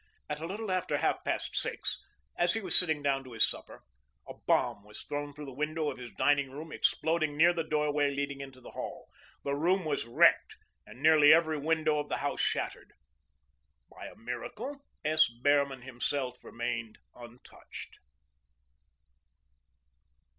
At a little after half past six, as he was sitting down to his supper, a bomb was thrown through the window of his dining room, exploding near the doorway leading into the hall. The room was wrecked and nearly every window of the house shattered. By a miracle, S. Behrman, himself, remained untouched.